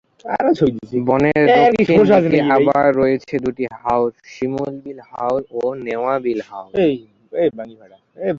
বনের দক্ষিণ দিকে আবার রয়েছে দুটি হাওর: শিমুল বিল হাওর ও নেওয়া বিল হাওর।